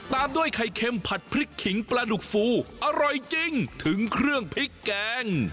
ตามด้วยไข่เค็มผัดพริกขิงปลาดุกฟูอร่อยจริงถึงเครื่องพริกแกง